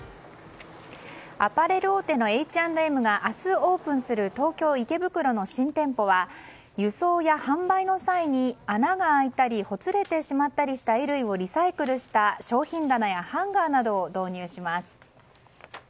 アパレル大手のＨ＆Ｍが明日オープンする東京・池袋の新店舗は輸送や販売の際に穴が開いたりほつれてしまったりした衣類をリサイクルした商品棚やハンガーなどを導入します。